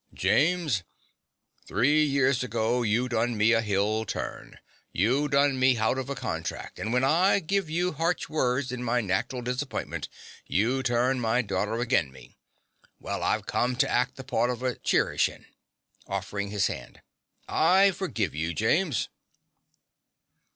James: three year ago, you done me a hill turn. You done me hout of a contrac'; an' when I gev you 'arsh words in my nat'ral disappointment, you turned my daughrter again me. Well, I've come to act the part of a Cherischin. (Offering his hand.) I forgive you, James.